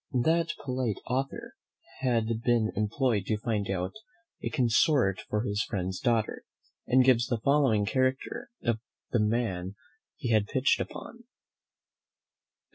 That polite author had been employed to find out a consort for his friend's daughter, and gives the following character of the man he had pitched upon.